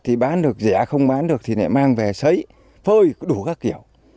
thì bán được rẻ không bán được thì lại mang về sấy phơi đủ các kiểu